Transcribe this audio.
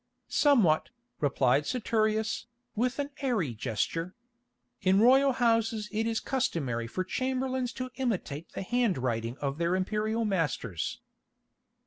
"Somewhat," replied Saturius, with an airy gesture. "In royal houses it is customary for chamberlains to imitate the handwriting of their imperial masters."